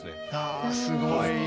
あすごい。